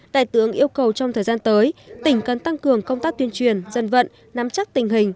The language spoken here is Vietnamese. đại tướng yêu cầu trong thời gian tới tỉnh cần tăng cường công tác tuyên truyền dân vận nắm chắc tình hình